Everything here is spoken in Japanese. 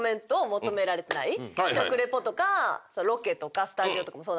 食リポとかロケとかスタジオとかもそうなんですけど